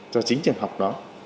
cho chính trường học đó